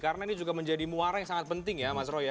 karena ini juga menjadi muara yang sangat penting ya mas roy